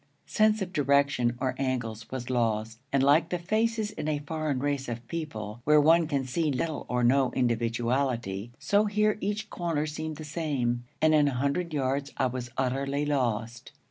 Sense of direction or angles was lost, and, like the faces in a foreign race of people, where one can see little or no individuality, so here, each corner seemed the same, and in a hundred yards I was utterly lost.